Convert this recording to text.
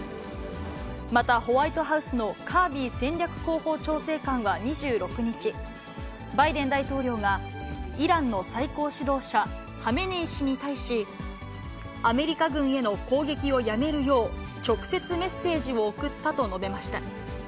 また、ホワイトハウスのカービー戦略広報調整官は２６日、バイデン大統領がイランの最高指導者、ハメネイ師に対し、アメリカ軍への攻撃をやめるよう、直接メッセージを送ったと述べました。